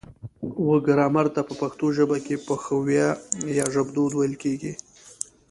و ګرامر ته په پښتو ژبه کې پښويه يا ژبدود ويل کيږي